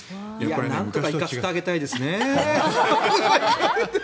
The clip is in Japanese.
なんとか行かせてあげたいですね。